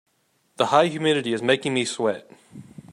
The high humidity is making me sweat.